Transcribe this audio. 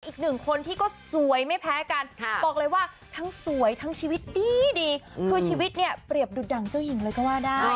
อีกหนึ่งคนที่ก็สวยไม่แพ้กันบอกเลยว่าทั้งสวยทั้งชีวิตดีคือชีวิตเนี่ยเปรียบดูดดังเจ้าหญิงเลยก็ว่าได้